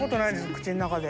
口の中で。